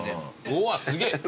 うわっすげえ！